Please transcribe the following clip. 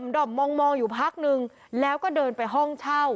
ด่อมมองอยู่พักนึงแล้วก็เดินไปห้องเช่า